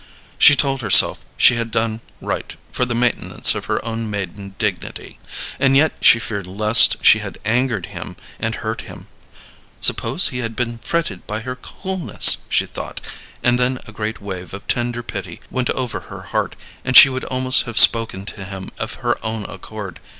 She told herself she had done right for the maintenance of her own maiden dignity, and yet she feared lest she had angered him and hurt him. "Suppose he had been fretted by her coolness?" she thought, and then a great wave of tender pity went over her heart, and she would almost have spoken to him of her own accord.